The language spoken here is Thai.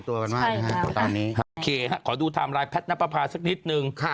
โอเคขอดูไทม์ไลน์แพทย์นับประพาสักนิดนึง